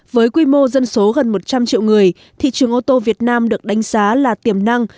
với quy mô dân số gần một trăm linh triệu người thị trường ô tô việt nam được đánh giá là tiềm năng